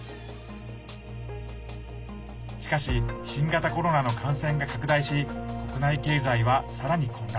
しかし新型コロナの感染が拡大し国内経済は、さらに混乱。